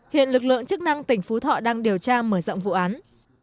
hiện lực lượng chức năng tỉnh phú thọ đang điều tra mở rộng vụ án